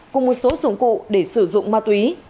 cùng một số dụng cụ để sử dụng ma túy